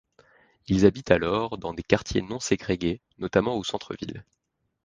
Ils habitent alors dans des quartiers non ségrégués, notamment au centre-ville.